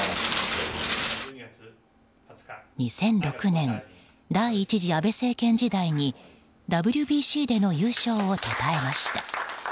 ２００６年第１次安倍政権時代にＷＢＣでの優勝をたたえました。